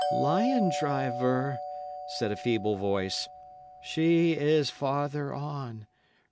lion driver!" said a feeble voice. "She is farther on.